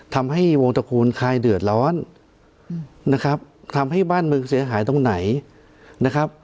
ทำให้วงตระกูลคลายเดือดร้อนนะครับทำให้บ้านเมืองเสียหายตรงไหนนะครับ